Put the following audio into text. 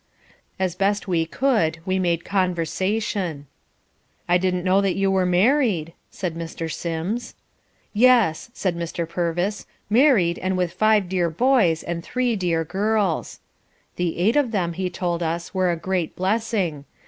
As best we could we made conversation. "I didn't know that you were married," said Mr. Sims. "Yes," said Mr. Purvis, "married, and with five dear boys and three dear girls." The eight of them, he told us, were a great blessing.